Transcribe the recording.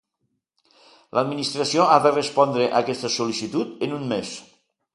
L'Administració ha de respondre aquesta sol·licitud en un mes.